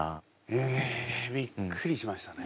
へえびっくりしましたね。